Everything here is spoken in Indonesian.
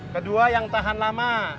kedua yang tahan lama